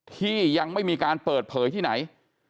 ที่ยังไม่มีการเปิดเผยที่ไหน